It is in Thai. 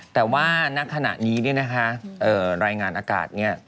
แต่ว่าณขณะนี้นะครับรายงานอากาศนี่